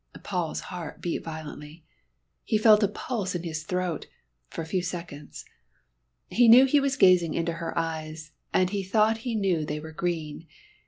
Paul's heart beat violently. He felt a pulse in his throat for a few seconds. He knew he was gazing into her eyes, and he thought he knew they were green.